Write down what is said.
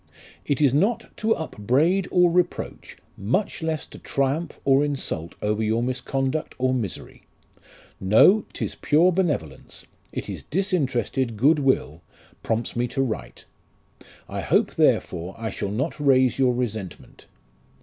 It is not to upbraid or reproach, much less to triumph or insult over your misconduct or misery; no, 'tis pure benevolence, it is disinterested good will, prompts me to write. I hope, therefore, I shall not raise your resentment.